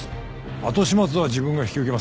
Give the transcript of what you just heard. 後始末は自分が引き受けます。